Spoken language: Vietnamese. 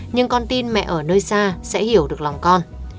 nhưng con tin mẹ ở nơi xa sẽ hiểu được lòng con